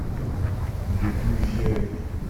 Les plus vielles.